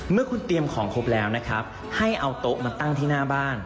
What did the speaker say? เมื่อคุณเตรียมของครบแล้วนะครับให้เอาโต๊ะมาตั้งที่หน้าบ้าน